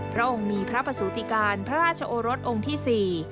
พระองค์มีพระประสูติการพระราชโอรสองค์ที่๔